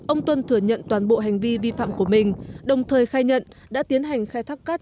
ông tuân thừa nhận toàn bộ hành vi vi phạm của mình đồng thời khai nhận đã tiến hành khai thác cát